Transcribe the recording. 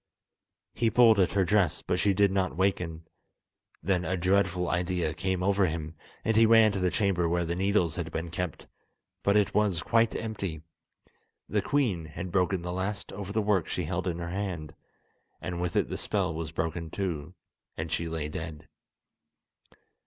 He pulled at her dress, but she did not waken. Then a dreadful idea came over him, and he ran to the chamber where the needles had been kept, but it was quite empty. The queen had broken the last over the work she held in her hand, and with it the spell was broken too, and she lay dead.